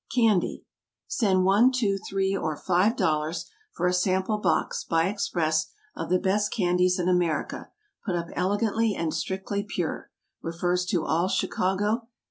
CANDY Send one, two, three, or five dollars for a sample box, by express, of the best Candies in America, put up elegantly and strictly pure. Refers to all Chicago.